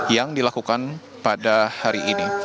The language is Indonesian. yang dilakukan pada hari ini